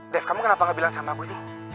dev kamu kenapa gak bilang sama aku sih